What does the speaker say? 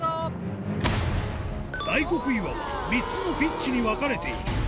大黒岩は、３つのピッチに分かれている。